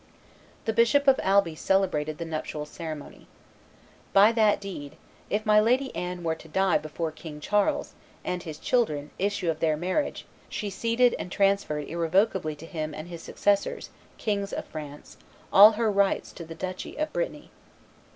The Bishop of Alby celebrated the nuptial ceremony. By that deed, "if my Lady Anne were to die before King Charles, and his children, issue of their marriage, she ceded and transferred irrevocably to him and his successors, kings of France, all her rights to the duchy of Brittany.